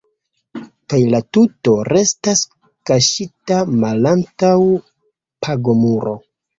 Kaj la tuto restas kaŝita malantaŭ pagomuro.